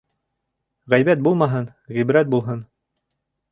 Ғәйбәт булмаһын, ғибрәт булһын.